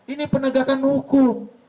ini penegakan hukum